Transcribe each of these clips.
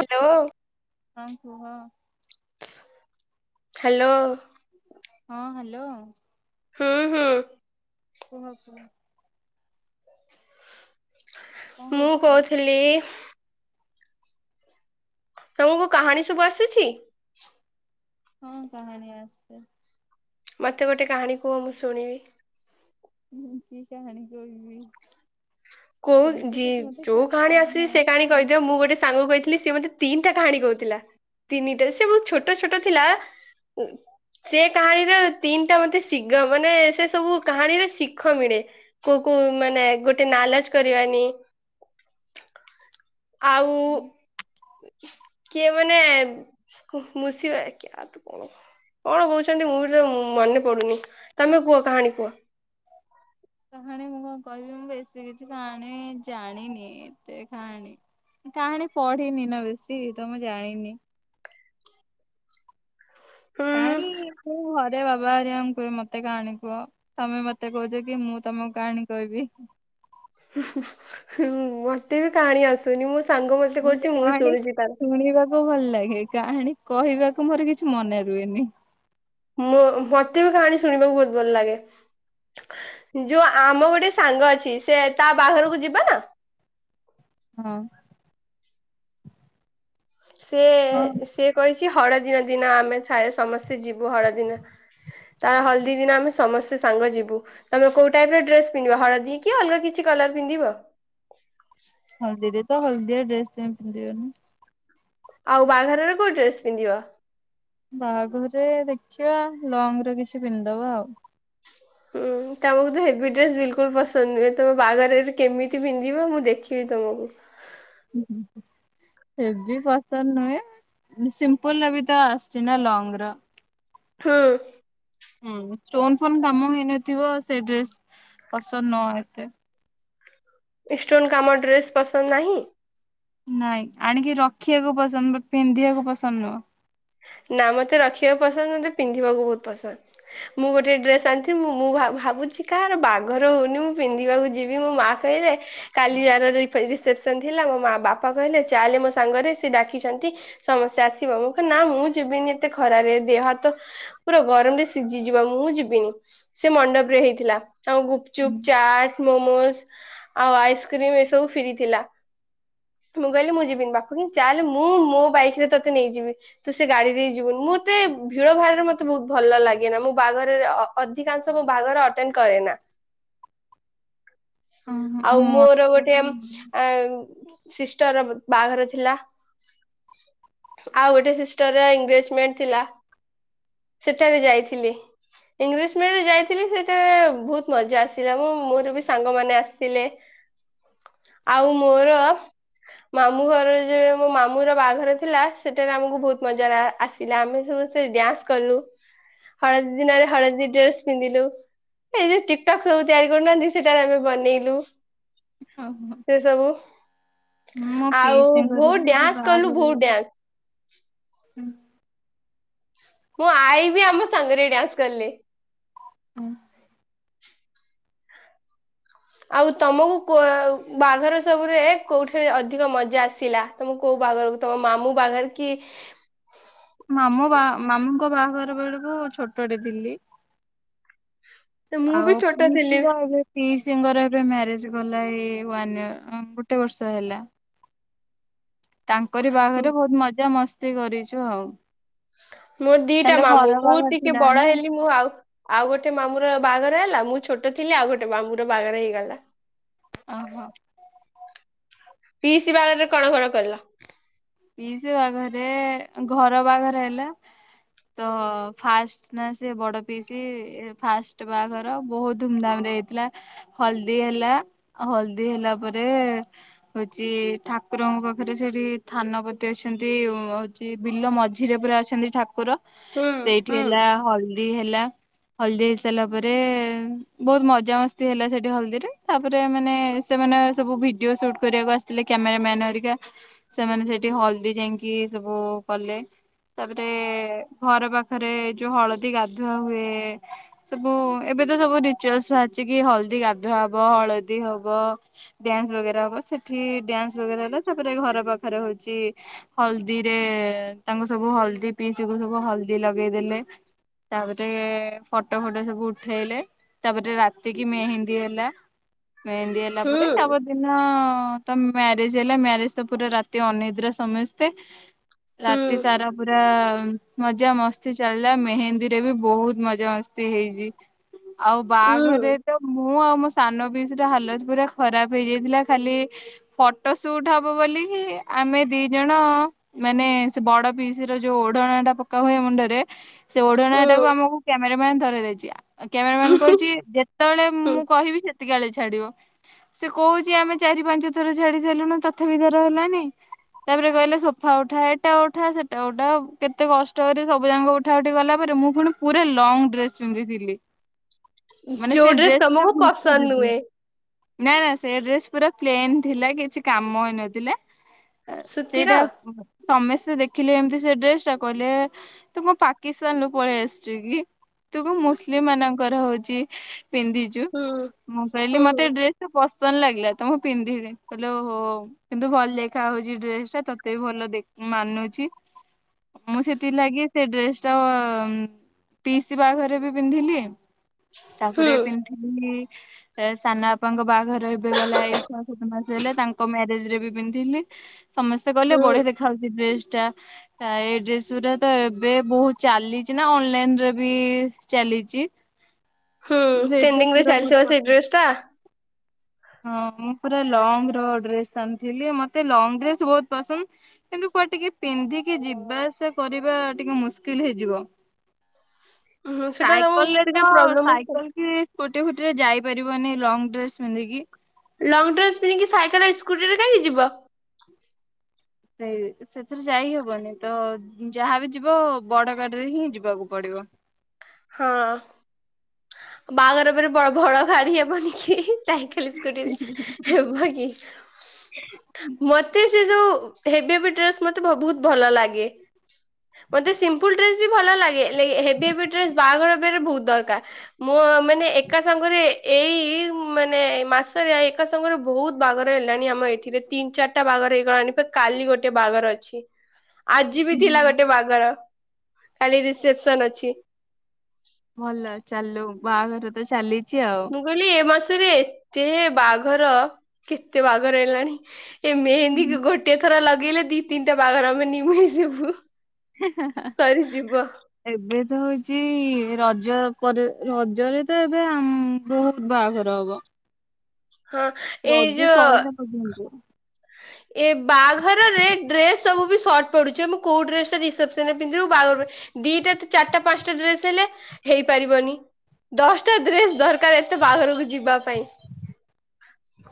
Hello. ହଁ କୁହ। Hello. ହଁ ହ୍ୟାଲୋ। ହଁ ହଁ। କୁହ କୁହ। କଣ ମୁଁ କରୁଛ? କହୁଥିଲି। ତମକୁ କାହାଣୀ ସବୁ ଆସୁଛି। ହଁ କାହାଣୀ ଆସେ। ମତେ ଗୋଟେ କାହାଣୀ କୁହ ମୁଁ ଶୁଣିବି। ହୁଁ କି କାହାଣୀ କହିବି। କୋଉ ସେମିତି ଯି କିଛି ମତେ ଯୋଉ ଖାସ୍ କାହାଣୀ ଆସୁଛି ସେ କାହାଣୀ ଆସେନି। କହିଦିଅ ମୁଁ ଗୋଟେ ସାଙ୍ଗ କହିଥିଲି ସିଏ ମତେ ତିନିଟା କାହାଣୀ କହୁଥିଲା, ତିନିଟା ସେ ବହୁତ ଛୋଟ ଛୋଟ ଥିଲା ସେ କାହାଣୀର ତିନିଟା ମତେ ଶିଘ ମାନେ ସେ ସବୁ କାହାଣୀର ଶିଖ ମିଳେ। କୋଉ କୋଉ ମାନେ ଗୋଟେ ନାଲଚ କରିବାନି। ଆଉ କିଏ ମାନେ ମୁଷିବ କିଆ ତୁ କଣ କଣ କହୁଛନ୍ତି ମୁଁ ଯେ ମନେ ପଡୁନି ତମେ କୁହ କାହାଣୀ କୁହ। କାହାଣୀ ମୁଁ କଣ କହିବି ମୁଁ ବେଶୀ କିଛି କାହାଣୀ ଜାଣିନି ଏତେ କାହାଣୀ। ମୁଁ କାହାଣୀ ପଢିନି ନା ବେଶୀ ତ ମୁଁ ଜାଣିନି। କାହାଣୀ ମୁଁ ଘରେ ବାବା ହେରିକାଙ୍କୁ କୁହେ ମତେ କାହାଣୀ କୁହ। ତମେ ମତେ କହୁଚ କି ମୁଁ ତମକୁ କାହାଣୀ କହିବି। ହୁଁ ମତେ ବି କାହାଣୀ ଆସେନି ମୋ ସାଙ୍ଗ ମତେ କହୁଚି ମୁଁ କାହାଣୀ ଶୁଣୁଚି ତାର। ଶୁଣିବାକୁ ଭଲ ଲାଗେ କାହାଣୀ କହିବାକୁ ମୋର କିଛି ମନେ ରୁହେନି। ମୋ ବତେ ବି କାହାଣୀ ଶୁଣିବାକୁ ବହୁତ ଭଲ ଲାଗେ। ଯୋଉ ଆମ ଗୋଟେ ସାଙ୍ଗ ଅଛି। ସେ ତା ବାଘହାରକୁ ଯିବା ନା? ହୁଁ। ସେ ସେ କହିଛି ହଳଦିନ ଦିନ ଆମେ ସମସ୍ତେ ଯିବୁ ହଳଦିନ। ତାର ହଳଦୀ ଦିନ ଆମେ ସମସ୍ତେ ସାଙ୍ଗ ଯିବୁ। ତମେ କୋଉ ଟାଇପ୍ ର ଡ୍ରେସ୍‌ ପିନ୍ଧିବ ହଳଦୀ କି ଅଲଗା କିଛି କଲର ପିନ୍ଧିବ? ହଳଦି ରେ ତ ହଳଦିଆଡ୍ରେସ ତ ପିନ୍ଧିବନି। ଆଉ ବାହାଘରରେ କୋଉ ଡ୍ରେସ୍ ପିନ୍ଧିବ? ବାହାଘରରେ ଦେଖିବା ଲଙ୍ଗରେ କିଛି ପିନ୍ଧିଦବା ଆଉ। ହୁଁ ତମକୁ ତ ହେଭି ଡ୍ରେସ ବିଲକୁଲ ପସନ୍ଦ ନୁହେଁ। ତମ ବାହାଘରେ କେମିତି ପିନ୍ଧିବ ମୁଁ ଦେଖିବି ତମକୁ? ଉଁ ହୁଁ ହୁଁ। ହେବି ପସନ୍ଦ ନୁହେଁ। ସିମ୍ପଲ୍ ର ବି ତ ଆସୁଛି ନା ଲଙ୍ଗ ର। ହୁଁ। ହୁଁ ଷ୍ଟୋନ୍‌ ଫୋନ୍‌ କାମ ହେଇନଥିବ। ସେଇ ଡ୍ରେସ ପସନ୍ଦ ନୁହ ଏତେ। ଇଷ୍ଟନ୍‌ କାମ ଡ୍ରେସ୍ ପସନ୍ଦ ନାହିଁ। ନାଇଁ ଆଣିକି ରଖିବାକୁ ପସନ୍ଦ। ପିନ୍ଧିବାକୁ ପସନ୍ଦ ନୁହଁ। ନା ମତେ ରଖିବାକୁ ପସନ୍ଦ ମତେ ପିନ୍ଧିବାକୁ ବହୁତ ପସନ୍ଦ। ମୁଁ ଗୋଟେ ଡ୍ରେସ୍‌ ଆଣିଥିଲି ମୁଁ ଭାବୁଛି କାହାର ବାହାଘର ହଉନି ମୁଁ ପିନ୍ଧିବାକୁ ଯିବି। ମୋ ମା ସେଇରେ କାଲି ଇଅର ରିସେପ୍ ସନ ଥିଲା। ମୋ ମା ବାପା କହିଲେ ଚାଲେ ମୋ ସାଙ୍ଗରେ ସିଏ ଡାକିଛନ୍ତି? ସମସ୍ତେ ଆସିବ ମୁଁ ନା ମୁଁ ଯିବିନି ଏତେ ଖରାରେ। ଦେହ ହାତ ପୁରା ଗରମରେ ସିଝିଯିବ ମୁଁ ଯିବିନି। ସେ ମଣ୍ଡପ୍ ରେ ହେଇଥିଲା ଆଉ ଗୁପ୍ ଚୁପ୍ ଚାଟ ମୋମୋସ। ଆଉ ଆଇସ୍କ୍ରିମ୍ ଏସବୁ ଫିରି ଥିଲା। ମୁଁ କହିଲି ମୁଁ ଯିବିନି ବାପୁ କି ଚାଲେ ମୁଁ ମୋ ବାଇକ ରେ ତୋତେ ନେଇଯିବି। ତୁ ସେ ଗାଡି ଦେଇ ଯିବୁନି ମତେ ଭିଡ଼ ଭାରରେ ମତେ ବହୁତ ଭଲ ଲାଗେନା। ମୁଁ ବାହାଘରରେ ଅଧିକାଂଶ ମୋ ବାହାଘର ଆଟେଣ୍ଡ କରେ ନା? ଓହୋ ଆଉ ମୋର ମତେ ଗୋଟେ ଆ ସିଷ୍ଟର ବାହାଘର ଥିଲା। ଆଉ ଗୋଟେ ସିଷ୍ଟର ଏଙ୍ଗେଜ୍‌ମେଣ୍ଟ ଥିଲା। ସେଠାରେ ଯାଇଥିଲି। ଇଂଲିଶ ମିଡ଼ି ଯାଇଥିଲି ସେଇଟାରେ ବହୁତ ମଜା ଆସିଲା। ମୁଁ ମୋର ବି ସାଙ୍ଗମାନେ ଆସିଥିଲେ। ଆଉ ମୋର ମାମୁଁ ଘର ଯେ ମୋ ମାମୁଁ ର ବାହାଘର ଥିଲା ସେଠାରେ ଆମକୁ ବହୁତ ମଜା ଲା ଆସିଲା ଆମେ ସମସ୍ତେ ଡ୍ୟାନ୍ସ କଲୁ। ହଳଦୀ ଦିନରେ ହଳଦୀ ଡ୍ରେସ ପିନ୍ଧିଲୁ। ଏଇ ଯୋଉ ଟିକଟକ୍ ସବୁ ତିଆରି କରୁନାହାନ୍ତି ସେଟାରେ ଆମେ ବନେଇଲୁ। ହଉ ହୋ। ସେ ସବୁ। ମୁଁ ମୋ ଆଉ ପିଇସା ଙ୍କର ବହୁତ ବି ଏବେ ଡ୍ୟାନ୍ସ କଲୁ ବାଘର ବହୁତ [unintelligible] ଡ୍ୟାନ୍ସ ହୁଁ। ମୋ ଆଈ ବି ଆମ ସାଙ୍ଗରେ ଡ୍ୟାନ୍ସ କଲେ। [unintelligible] ଆଉ ତମକୁ କୋ ବାଘର ସବୁରେ କୋଉଠାରେ ଅଧିକ ମଜା ଆସିଲା? ତମ କୋଉ ବାଘରକୁ ତମ ମାମୁଁ ବାଘର କି? ମାମୁ ବାହା ମାମୁଙ୍କ ବାହାଘର ବେଳକୁ ଛୋଟଟେ ଥିଲି। ମୁଁ ବି ଆଉ ଛୋଟ ଥିଲି ପିଇସିର ଏବେ ପିଇସିଙ୍କର ଏବେ ମ୍ୟାରେଜ ଗଲା ଏଇ ୱାନ ଇୟର ଗୋଟେ ବର୍ଷ ହେଲା। ତାଙ୍କରି ବାଘରେ ବହୁତ ମଜା ମସ୍ତି କରିଚୁ ଆଉ। ମୋର୍ ଦିଟା ତାପରେ ମାମୁଁ ଘର ମୁଁ ବାହାଘର ଟିକେ ଥିଲା ନା ବଡ ହେଲି ମୁଁ ଆଉ ଆଉ ଗୋଟେ ମାମୁଁ ର ବାଘର ହେଲା ମୁଁ ଛୋଟ ଥିଲି ଆଉ ଗୋଟେ ମାମୁଁ ର ବାଘର ହେଇଗଲା। ଅହ। ପିଇସି ବାହାଘରେ କଣ କଣ କଲ? ପୀସି ବାହଘରେ ଘର ବାହାଘର ହେଲା ତ ଫାଷ୍ଟ ନା ସେ ବଡ ପିଇସି ଫାଷ୍ଟ ବାହାଘର ବହୁତ ଧୁମଧାମ ରେ ହେଇଥିଲା। ହଳଦୀ ହେଲା, ହଳଦୀ ହେଲା ପରେ ହଉଛି ଠାକୁରଙ୍କ ପାଖରେ ସେଠି ଥାନପତି ଅଛନ୍ତି ହଉଛି ବିଲ ମଝିରେ ପୁରା ଅଛନ୍ତି ଠାକୁର ହୁଁ ସେଇଠି ହୁଁ ହେଲା ହଳଦୀ ହେଲା। ହଳଦୀ ହେଇସାରିଲା ପରେ ବହୁତ ମଜା ମସ୍ତି ହେଲା ସେଠି ହଳଦୀରେ ତାପରେ ମାନେ ସେମାନେ ସବୁ ଭିଡିଓ ସୁଟ୍ କରିବାକୁ ଆସିଥିଲେ କ୍ୟାମେରାମାନ ହରିକା। ସେମାନେ ସେଠି ହଳଦୀ ଯାଇଁକି ସବୁ କଲେ। ତାପରେ ଘର ପାଖରେ ଯୋଉ ହଳଦୀ ଗାଧୁଆ ହୁଏ। ସବୁ ଏବେ ତ ସବୁ ରିଚୁଆଲସ ବାହାରି ଚି କିି ହଳଦୀ ଗାଧୁଆ ହବ ହଳଦୀ ହବ। ଡ୍ୟାନ୍ସ ବଗେରା ହବ ସେଠି ଡ୍ୟାନ୍ସ ବଗେରା ହେଲା ତାପରେ ଘର ପାଖରେ ହଉଚି ହଳଦୀରେ ତାଙ୍କୁ ସବୁ ହଳଦୀ ପିଇସି କୁ ସବୁ ହଳଦୀ ଲଗେଇଦେଲେ। ତାପରେ ଫଟୋ ଫଟ ସବୁ ଉଠେଇଲେ। ତାପରେ ରାତି କି ମେହେନ୍ଦୀ ହେଲା। ମେହେନ୍ଦୀ ହେଲା ପରେ ହୁଁ ତାପର ଦିନ ତ ମ୍ୟାରେଜ ହେଲା ମ୍ୟାରେଜ ତ ପୁରା ରାତି ରାତି ଅନିଦ୍ରା ସମେସ୍ତେ ରାତି ହୁଁ ସାରା ପୁରା ମଜା ମସ୍ତି ଚାଲିଲା ମେହେନ୍ଦୀ ରେ ବି ବହୁତ ମଜାମସ୍ତି ହେଇଚି। ଆଉ ହୁଁ ବାଆଘରେ ତ ମୁ ମୁଁ ଆଉ ମୋ ସାନ ପିଇସି ର ହାଲତ ପୁରା ଖରାପ ହେଇଯାଇଥିଲା, ଖାଲି ଫଟୋ ସୁଟ ହବ ବୋଲିି ଆମେ ଦି ଜଣ ମାନେ ସେ ବଡ ପିଇସି ର ଯୋଉ ଓଢଣା ଟା ପକା ହୁଏ ମୁଣ୍ଡରେ ସେ ଓଢଣା ହୁଁ। ଟାକୁ ଆମକୁ କ୍ୟାମେରା ମ୍ୟାନ୍ ଧରେଇ ଦେଇଚି, କ୍ୟାମେର ମ୍ୟାନ୍ କହୁଛି ଯେ ତବେଳେ ହୁଁ ମୁଁ କହିବି ସେତିକି ଆଳେ ଛାଡିବ। ସେ କହୁଛି ଆମେ ଚାରି ପାଞ୍ଚ ଥର ଛାଡି ସାଇଲୁଣୁ ତଥାପି ତାର ହେଲାନି। ତାପରେ କହିଲା ସୋଫା ଉଠା ଏଟା ଉଠା ସେଟା ଉଠା କେତେ କଷ୍ଟ କରି ସବୁ ଯାକ ଉଠା ଉଠି ଗଲା ପରେ ମୁଁ ଫୁଣି ପୁରା ଲଙ୍ଗ ଡ୍ରେସ୍ ପିନ୍ଧିଥିଲି, ମାନେ ଯୋଉ ସେ ଡ୍ରେସ୍ ଡ୍ରେସ ପୁରା ତମକୁ ପସନ୍ଦ ଘୁସୁରୁଛି। ନୁହେଁ ନା ନା ସେ ଡ୍ରେସ୍ ପୁରା ପ୍ଲେନ ଥିଲା କିଛି କାମ ହେଇ ନଥିଲା। ସୂତିର ସେଇଟା ସମସ୍ତେ ଦେଖିଲେ ଏମିତି ସେ ଡ୍ରେସ୍ ଟା କହିଲେ ତୁ କଣ ପାକିସ୍ତାନରୁୁ ପଳେଇ ଆସିଛୁ କି? ତୁ କଣ ମୁସଲିମ ମାନଙ୍କର ହଉଛି ପିନ୍ଧିଛୁ ହୁଁ ମୁଁ କହିଲି ହୁଁ ମୋତେ ଏ ଡ୍ରେସ୍ ତ ପସନ୍ଦ ଲାଗିଲା ତ ମୁଁ ପିନ୍ଧିବି କହିଲେ ଓ ହୋ ହୋ କିନ୍ତୁ ଭଲ ଦେ ଖା ହଉଛି ଡ୍ରେସ୍ ଟା ତୋତେ ବି ଭଲ ଦେ- ମାନୁଛି। ମୁଁ ସେଥିଲାଗି ଲାଗି ସେ ଡ୍ରେସ୍ ଟା ଅ, ଉଁ, ପିଇସି ବାହାଘରେ ବି ପିନ୍ଧିଲି, ହୁଁ ତାପରେ ପିନ୍ଧିଥିଲି ଏ ସାନ ବାପାଙ୍କ ବାହାଘର ଏବେ ଗଲା ଏଇ ଛଅ ସାତ ମାସ ହେଲା ତାଙ୍କ ମ୍ୟାରେଜ୍ ରେ ବି ପିନ୍ଧଥିଲି। ସମସ୍ତେ କହିଲେ ହୁଁ ବଢିଆ ଦେଖା ହଉଛି ଡ୍ରେସ୍ ଟା। ଏଇ ଡ୍ରେସ୍ ଗୁରା ତ ଏବେ ବହୁତ ଚାଲିଚି ନା ଅନଲାଇନ୍ ରେ ବି ଚାଲିଚି। ହୁଁ, ଟ୍ରେଣ୍ଡିଂ ବହୁତ ଚାଲିଛି ପା ସେଇ ପସନ୍ଦ ଡ୍ରେସ୍ ଟା। ହଁ ମୁଁ ପୁରା ଲଙ୍ଗର ଡ୍ରେସ୍ ଆଣିଥିଲି, ମୋତେ ଲଙ୍ଗ ଡ୍ରେସ୍ ବହୁତ ପସନ୍ଦ। କିନ୍ତୁ କୁଆଡେ ଟିକେ ପିନ୍ଧିକି ଯିବା ଆସିବା କରିବା ଟିକେ ମୁସ୍କିଲ୍ ହେଇଯିବ। ହୁଁ ସେଟା ସାଇକଲ ରେ ତମକୁ ତ ଟିକେ ପ୍ରୋବ୍ଲେମ ହଉଚି ସାଇକଲ କି ସ୍କୁଟି ଫୁଟିରେ ଯାଇପାରିବନି ଲଙ୍ଗ ଡ୍ରେସ୍ ପିନ୍ଧିକି। ଲଙ୍ଗ ଡ୍ରେସ୍ ପିନ୍ଧିକି ସାଇକଲ ସ୍କୁଟିରେ କାହିଁକି ଯିବ? ସେଇ ସେଥିରେ ଯାଇହବନି ତ ଯାହାବି ଯିବ ବଡ ଗାଡିରେ ହିଁ ଯିବାକୁ ପଡିବ। ହଁ ବାହାଘର ବେରେ ବ- ବଡ ଗାଡି ହେବନି କି? ସାଇକେଲ ସ୍କୁଟିରେ ହେବ କି? ମୋତେ ସେ ଯୋଉ ହେଭୀ ହେଭୀ ଡ୍ରେସ୍ ମୋତେ ବ-ବହୁତ ଭଲ ଲାଗେ। ମୋତେ ସିମ୍ପଲ୍ ଡ୍ରେସ୍ ବି ଭଲ ଲାଗେ। ଲେ-ହେଭି ହେଭି ଡ୍ରେସ୍ ବାହାଘର ବେରେ ବହୁତ ଦରକାର। ମୁଁ ମାନେ ଏକା ସାଙ୍ଗରେ ଏଇ ମାନେ ମାସରେ ଏକା ସାଙ୍ଗରେ ବହୁତ ବାହାଘର ହେଲାଣି ଆମ ଏଠିରେ ତିନି ଚାଟା ବାହାଘର ହେଇଗଲାଣି ଫେର୍ କାଲି ଗୋଟେ ବାହାଘର ଅଛି। [inaudible] ଆଜି ବି ଥିଲା ହୁଁ ଗୋଟେ ବାଘର କାଲି ରିସେପ୍ସନ ଅଛି। ଭଲ ଚାଲୁ ବାହାଘର ତ ଚାଲିଚି ଆଉ। ମୁଁ କହିଲି ଏ ମାସରେ ଏତେ ବାହାଘର କେତେ ବାହାଘର ହେଲାଣି। ଏ ମେହେନ୍ଦୀ ଗ-ଗୋଟିଏ ଥର ଲଗେଇଲେ ଦି ତିନିଟା ବାହାଘର ଆମେ ନିଭେଇ ଦେବୁ। ହ ହ ହ ହ। ଏବେ ତ ହଉଛି ରଜ ପରେ ରଜରେ ତ ଏବେ ଆମ୍ ବହୁତ ବାହାଘର ହବ। ହଁ। ଏଇ ରଜ ଯୋଉ ସଇଲା ପର୍ଯ୍ୟନ୍ତ। ଏ ବାଆଘରରେ ଡ୍ରେସ୍ ସବୁ ବି ସର୍ଟ ପଡ଼ୁଛି, ଏ ମୁଁ କୋଉ ଡ୍ରେସଟା ରିସେପ୍ସନ୍ ରେ ପିନ୍ଧିବି, ବାହାଘରରେ ଦିଟା କି ଚାଟା ପାନ୍ସଟା ଡ୍ରେସ୍ ହେଲେ ହେଇପାରିବନି। ଦଶଟା ଡ୍ରେସ୍ ଦରକାର ଏତେ ବାହାଘରକୁ ଯିବା ପାଇଁ।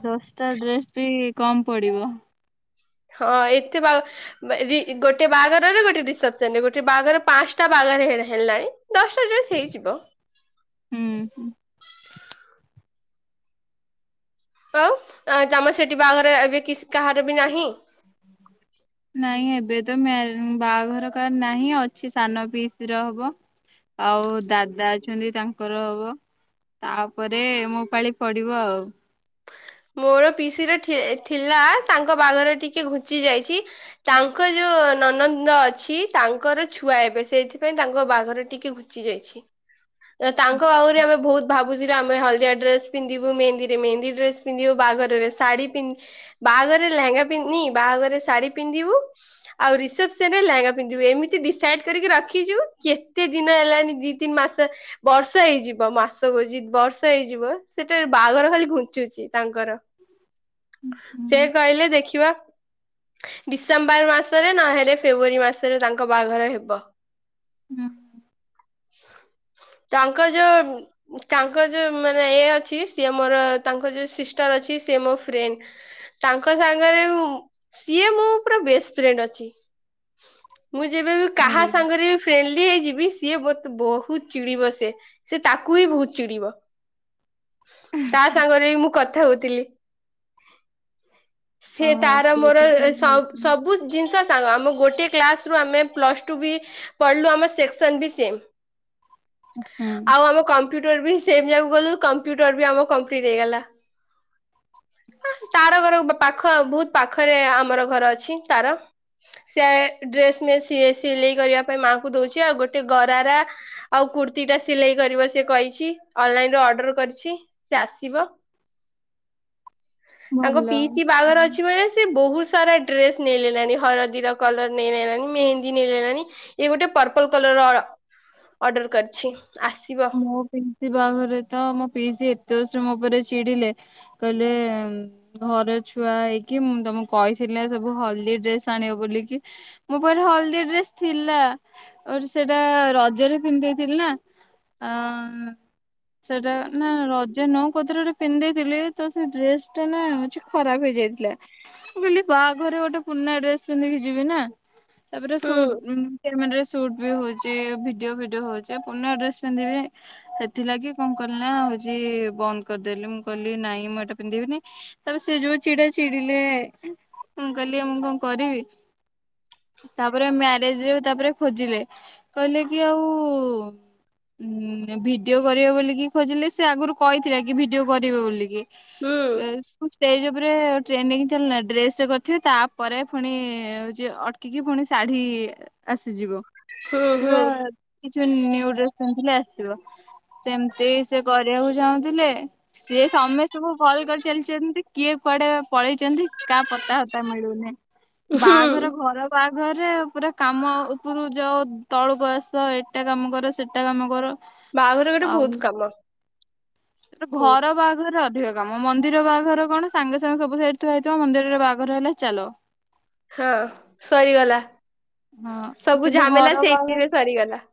ଦଶଟା ଡ୍ରେସ୍ ବି କମ୍ ପଡିବ। ହଁ ଏତେ ବା ବା- ରି-ଗୋଟେ ବାହାଘରରେ ଗୋଟେ ରିସେପ୍ସନ୍ ରେ, ଗୋଟେ ବାହାଘର ପାନ୍ସଟା ବାଆଘର ହେ- ହେଲାଣି। ଦଶଟା ଡ୍ରେସ୍ ହେଇଯିବ। ହୁଁ, ହଁ। ଆଉ ଅ, ତୋମ ସେଠି ବାହାଘର ଏବେ କିସ୍ କାହାର ବି ନାହିଁ? ନାଇଁ ଏବେ ତ ମେର୍ ଉଁ, ବାହାଘର କାର୍ ନାହିଁ ଅଛି ସାନ ପିଇସି ର ହବ। ଆଉ ଦାଦା ଅଛନ୍ତି ତାଙ୍କର ହବ। ତାପରେ ମୋ ପାଳି ପଡିବ ଆଉ। ମୋର ପିଇସି ର ଠି- ଏ ଥିଲା ତାଙ୍କ ବାଆଘର ଟିକେ ଘୁଞ୍ଚି ଯାଇଛି। ତାଙ୍କ ଯୋଉ ନନନ୍ଦ ଅଛି ତାଙ୍କର ଛୁଆ ଏବେ ସେଇଥିପାଇଁ ତାଙ୍କ ବାହାଘର ଟିକେ ଘୁ ଞ୍ଚି ଯାଇଛି। ଏ ତାଙ୍କ ଆହୁରି ଆମେ ବହୁତ ଭାବୁଚୁ ଆମେ ହଳଦିଆ ଡ୍ରେସ ପିନ୍ଧିବୁ ମେହେନ୍ଦୀରେ ମେହେନ୍ଦୀ ଡ୍ରେସ ପିନ୍ଧିବୁ ବାହାଘରରେ ଶାଢୀ ପିଁ ବାହାଘରରେ ଲେହେଙ୍ଗା ପିନ୍ଧି ନି ବାହାଘରରେ ଶାଢ଼ୀ ପିନ୍ଧିବୁ ଆଉ ରିସେପସନ ରେ ଲେହେଙ୍ଗା ପିନ୍ଧିବୁ ଏମିତି ଡିସାଇଡ କରିକି ରଖିଛୁ କେତେ ଦିନ ହେଲାଣି ଦି ତିନି ମାସ। ବର୍ଷ ହେଇଯିବ ମାସ କହୁଚି ବର୍ଷ ହେଇଯିବ ସେଟା ବାହାଘର ଖାଲି ଘୁଞ୍ଚୁଚି। ତାଙ୍କର ସେ କହିଲେ ଦେଖିବା। ଡିସେମ୍ବର ମାସରେ ନହେଲେ ଫେବୃଆରୀ ମାସରେ ତାଙ୍କ ବାହାଘର ହେବ। ହୁଁ। ତାଙ୍କ ଯୋଉ ତାଙ୍କ ଯୋଉ ମାନେ ଅଛି ସିଏ ମୋର ତାଙ୍କ ଯୋଉ ସିଷ୍ଟର ଅଛି ସେ ମୋ ଫ୍ରେଣ୍ଡ। ତାଙ୍କ ସାଙ୍ଗରେ ସିଏ ମୁଁ ପୁରା ବେଷ୍ଟ ଫ୍ରେଣ୍ଡ ଅଛି। [inaudible] ମୁଁ ଯେବେ ବି କାହା ଭଲ। ସାଙ୍ଗରେ ବି ଫ୍ରେଣ୍ଡଲି ହେଇଯିବି ସିଏ ମତେ ବହୁତ ଚିଡିବ ସେ। ସେ ତାକୁ ବିି ବହୁତ ଚିଡିବ ତା ସାଙ୍ଗରେ ବି ମୁଁ କଥ ଥା ହୋଉଥିଲି ସେ ହଁ ତାର ମୋର ସେଇଠି ବି ସ ଭଲ। ସବୁ ଜିନିଷ ସାଙ୍ଗ ଆମ ଗୋଟେ କ୍ଲାସ ରୁ ଆମେ ପ୍ଲସ ଟୁ ବି ପଢିଲୁ ଆମ ସେକ୍ସନ ବି ସେମ୍। [inaudible] ଆଉ ଆମ କମ୍ପ୍ୟୁଟର ବି ସେମ ଯାଗାକୁ ଗଲୁ କମ୍ପ୍ୟୁଟର ବି ଆମର କମ୍ପ୍ଲିଟ ହେଇଗଲା। ତାର ଘର ପାଖ ବହୁତ ପାଖରେ ଆମର ଘର ଅଛି ତାର ସେ ଡ୍ରେସ ନେ ସିଏ ସିଲେଇ କରିବା ପାଇଁ ମାଙ୍କୁ ଦଉଛି ଆଉ ଗୋଟେ ଗରାରା ଆଉ କୁର୍ତ୍ତି ଟା ସିଲେଇ କରିବ ସେ କହିଛି। ଅନଲାଇନରେ ଅର୍ଡର କରିଛି ସେ ଆସିବ। ତାଙ୍କ ଭଲ। ପିଇସି ବାହାଘର ହୁଁ। ଅଛି ମାନେ ସେ ବହୁତ ସାରା ଡ୍ରେସ ମିଳିଲାନି ହଳଦିର କଲର ମିଳିଲାନି ମେହେନ୍ଦି ନେଇଣି ଇ ଗୋଟେ ପର୍ପଲ କଲର ଅ ଅର୍ଡର କରିଛି ଆସିବ। ମୋ ପିଇସି ବାହାରଘରେ ତ ମୋ ପିଇସି ଏତେ ଜୋରସରେ ମୋ ଉପରେ ଚିଡିଲେ କହିଲେ ଘର ଛୁଆ ହେଇକି ମୁଁ ତମକୁ କହିଥିଲି ସବୁ ହଳଦୀ ଡ୍ରେସ ଆଣିବ ବୋଲିକି। ମୋ ପାଖରେ ହଳଦିଆ ଡ୍ରେସ ଥିଲା ସେଟା ରଜରେ ପିନ୍ଧି ଦେଇଥିଲି ନା। ହଁ। ସେଟା ନା ରଜ ନୁହଁ କୋଉଥୀରେ ଗୋଟେ ପିନ୍ଧି ଦେଇଥିଲି ତ ସେ ଡ୍ରେସ ଟା ନା ହୋଉଛି ଖରାପ ହେଇଯାଇଥିଲା ମୁ କହିଲି ବାହାଘରରେ ଗୋଟେ ପୁରୁଣା ଡ୍ରେସ ପିନ୍ଧିକି ଯିବି ନା ତାପରେ ହୁଁ ସୁଟ ଉଁ କ୍ୟାମେରାରେ ସୁଟ୍ ବି ହଉଛି ଭିଡିଓ ଫିଡିଓ ହଉଛି ପୁରୁଣା ଡ୍ରେସ ଚନ୍ ଯିବେ। ସେଥିଲାଗି କଣ କଲିନା ହଉଛି ବନ୍ଦ କରିଦେଲି ମୁଁ କହିଲି ନାଇଁ ମୁଁ ଏଇଟା ପିନ୍ଧିବିନି। ତାପରେ ସେ ଯୋଉ ଚିଡା ଚିଡିଲେ ମୁଁ କହିଲି ମୁଁ କଣ କରିବି। ତାପରେ ମ୍ୟାରେଜ ରେ ତାପରେ ଖୋଜିଲେ କହିଲେ କି ଆଉ ହୁଁ ଭିଡିଓ କରିବେ ବୋଲିକି ଖୋଜିଲେ ସେ ଆଗରୁ କହିଥିଲା କି ଭିଡିଓ କରିବେ ବୋଲିକି। ହୁଁ ଏ। ଷ୍ଟେଜ ଉପରେ ଟ୍ରେନିଂକ ଚାଲିଲା ଡ୍ରେସ କରିଥିବି ତାପରେ ପୁଣି ହଉଛି ଅଟ ଖିକି ପୁଣି ଶାଢୀ ଆସିଯିବ। ହୁଁ କିବା ହୁଁ। କିଛି ନିଉ ଡ୍ରେସ୍ ପିନ୍ଧିଲେ ଆସିବ। ସେମିତି ସେ କରିବାକୁ ଚାହୁଁଥିଲେ ସିଏ ସମସ୍ତଙ୍କୁ କଲ୍ କରି ଚାଲିଛନ୍ତି। କିଏ କୁଆଡେ ପଳେଇଛନ୍ତି କାହା ପତା ହତା ମିଳୁନି ବାହାଘର ହୁଁ ଘର ବାହାଘରରେ ପୁରା କାମ ଉପରୁ ଯାଅ ତଳୁକୁ ଆସ ଏଟା କାମ କର ସେଟା ସେଟା କାମ କର ବାହାଘର ଗୋଟେ ଆଉ ବହୁତ କାମ ସେ ଘର ବହୁତ ବାହା ଘର ଅଧିକ କାମ ମନ୍ଦିର ବାହାଘର କଣ ସାଙ୍ଗେ ସାଙ୍ଗେ ସବୁ ସେଇଟି ଥୁଆ ହେଇଥିବ ମନ୍ଦି ର ବାହାଘର ହେଲା ଚାଲ। ହଁ ସରିଗଲା ହଁ ସବୁ କିନ୍ତୁ ଘର ଝାମେଲା ବାହାଘର ସେଇଥିରେ ସରିଗଲା।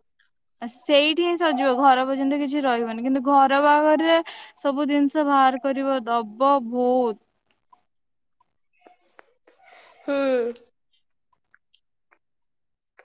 ସେଇଠି ହିଁ ସରିକିବ ଘର ପର୍ଯ୍ୟନ୍ତ କିଛି ରହିବନି କିନ୍ତୁ ଘର ବାହାଘରରେ ସବୁ ଜିନିଷ ବାହାର କରିବ ଦବ ବେହୁତ୍। ହୁଁ।